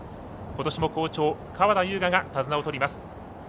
ことしも好調川田将雅が手綱をとります。